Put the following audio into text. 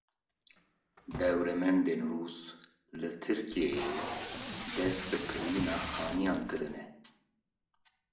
Dewlemendên Rûs li Tirkiyeyê dest bi kirîna xaniyan kirine.